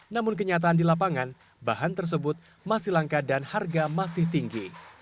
namun kenyataan di lapangan bahan tersebut masih langka dan harga masih tinggi